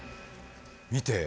見て。